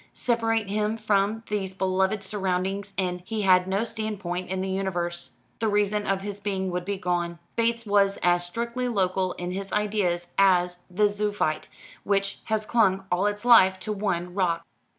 Separate him from these beloved surroundings, and he had no standpoint in the universe. The reason of his being would be gone. Bates was as strictly local in his ideas as the zoophyte which has clung all its life to one rock.